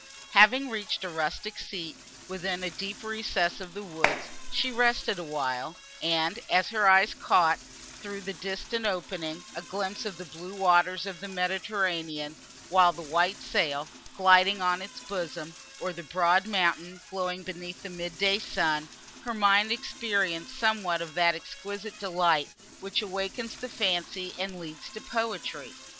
Having reached a rustic seat, within a deep recess of the woods, she rested awhile, and, as her eyes caught, through a distant opening, a glimpse of the blue waters of the Mediterranean, with the white sail, gliding on its bosom, or of the broad mountain, glowing beneath the mid day sun, her mind experienced somewhat of that exquisite delight, which awakens the fancy, and leads to poetry.